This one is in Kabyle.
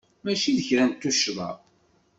Mačči d kra n tuccḍa.